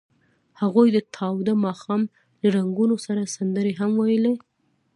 هغوی د تاوده ماښام له رنګونو سره سندرې هم ویلې.